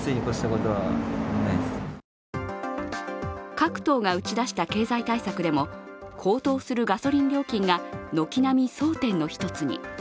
各党が打ち出した経済対策でも、高騰するガソリン料金が軒並み争点の一つに。